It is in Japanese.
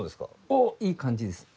おっいい感じです。